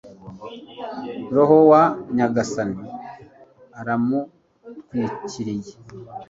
roho wa nyagasani aramutwikiriye